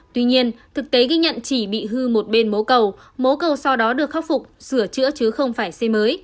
tuy nhiên thực tế ghi nhận chỉ bị hư một bên mố cầu mố cầu sau đó được khắc phục sửa chữa chứ không phải xây mới